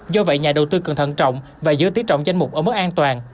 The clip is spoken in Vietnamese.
do vậy nhà đầu tư cần thận trọng và giữ tí trọng danh mục ở mức an toàn